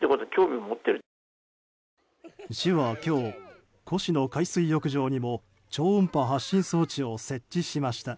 市は今日、越廼海水浴場にも超音波発信装置を設置しました。